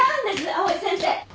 藍井先生！